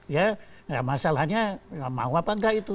ya masalahnya mau apa enggak itu